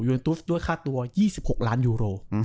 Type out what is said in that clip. ยูทูสด้วยค่าตัว๒๖ล้านยูโร